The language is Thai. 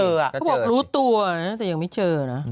เขาบอกรู้ตัวนะแต่ยังไม่เจอนะ